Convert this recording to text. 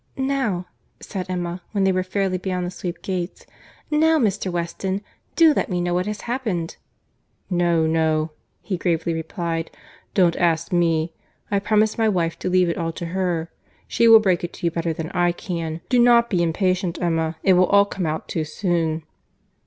"Now,"—said Emma, when they were fairly beyond the sweep gates,—"now Mr. Weston, do let me know what has happened." "No, no,"—he gravely replied.—"Don't ask me. I promised my wife to leave it all to her. She will break it to you better than I can. Do not be impatient, Emma; it will all come out too soon."